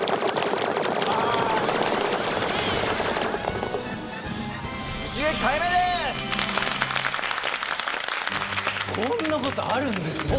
こんなことあるんですね！